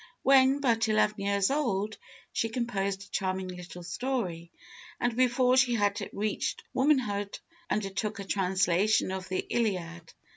When but eleven years old, she composed a charming little story, and before she had reached womanhood, undertook a translation of the Iliad.